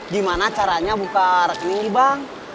gimana caranya buka rekening bang